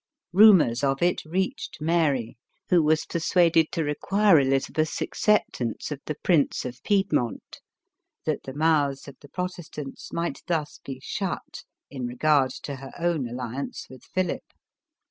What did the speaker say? Rumors of it reached Mary, who was persuaded to require Eliz abeth's acceptance of the Prince of Piedmont, that the mouths of the Protestants might thus be shut in regard to her own alliance with Philip.